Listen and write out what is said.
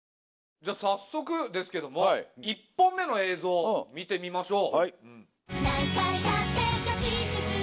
じゃあ早速ですけども１本目の映像を見てみましょう。